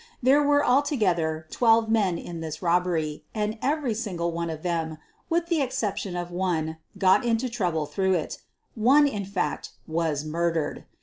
There were alto gether twelve men in this robbery, and every single QUEEN OF THE BURGLARS 147 one of them, with the exception of one, got into trouble through it — one, in fact, was murdered.